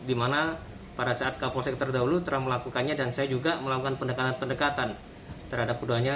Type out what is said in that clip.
di mana pada saat kapolsek terdahulu telah melakukannya dan saya juga melakukan pendekatan pendekatan terhadap keduanya